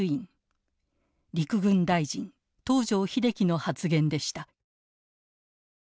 陸軍大臣東條英機の発言でした。